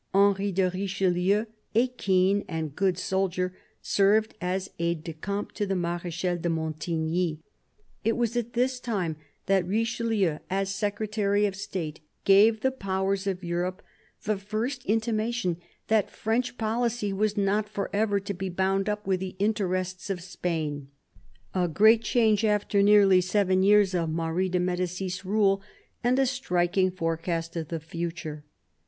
Henry de Richelieu, a keen and good soldier, served as aide de camp to the Mareehal de Montigny. It was at this time that Richelieu, as Secretary of State, gave the Powers of Europe the first intimation that French policy was not for ever to be bound up with the interests of Spain — a great change, after nearly seven years of Marie de Medieis' rule, and a striking forecast of the future.